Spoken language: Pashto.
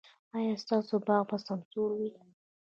ایا ستاسو باغ به سمسور وي؟